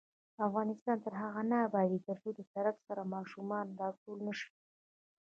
افغانستان تر هغو نه ابادیږي، ترڅو د سړک سر ماشومان راټول نشي.